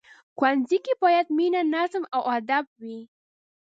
ښوونځی کې باید مینه، نظم او ادب وي